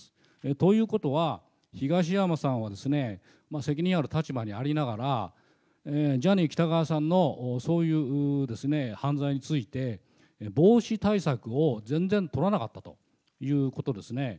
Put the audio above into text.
ということは、東山さんは責任ある立場にありながら、ジャニー喜多川さんの、そういう犯罪について、防止対策を全然取らなかったということですね。